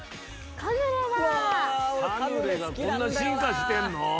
カヌレがこんな進化してんの？